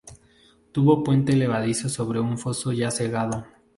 Tuvo puente levadizo sobre un foso ya cegado.